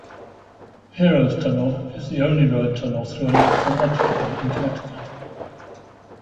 Heroes Tunnel is the only road tunnel through a natural obstacle in Connecticut.